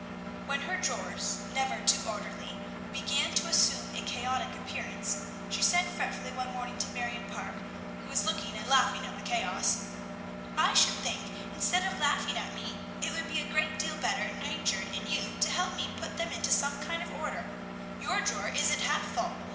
When her drawers, never too orderly, began to assume a chaotic appearance, she said fretfully one morning to Marion Parke, who was looking and laughing at the chaos, "I should think, instead of laughing at me, it would be a great deal better natured in you to help me put them into some kind of order. Your drawer isn't half full.